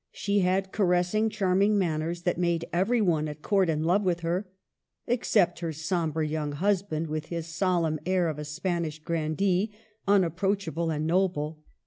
She had caressing, charming manners, that made every one at Court in love with her — except her sombre young husband, with his solemn air of a Span ish grandee, unapproachable and noble.